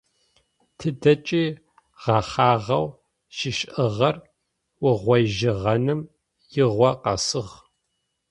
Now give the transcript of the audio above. Тыдэкӏи гъэхъагъэу щишӏыгъэр угъоижьыгъэным игъо къэсыгъ.